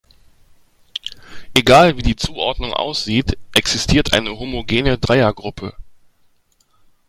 Egal, wie die Zuordnung aussieht, existiert eine homogene Dreiergruppe.